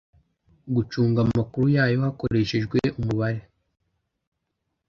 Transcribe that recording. Gucunga amakuru yayo hakoreshejwe umubare